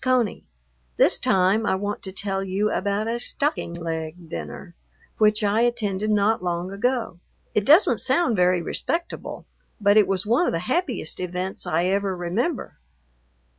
CONEY, ... This time I want to tell you about a "stocking leg" dinner which I attended not long ago. It doesn't sound very respectable, but it was one of the happiest events I ever remember.